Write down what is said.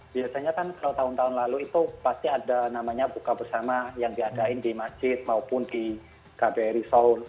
biasanya kan kalau tahun tahun lalu itu pasti ada namanya buka bersama yang diadain di masjid maupun di kbri seoul